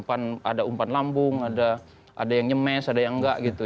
ada umpan lambung ada yang nyemes ada yang enggak gitu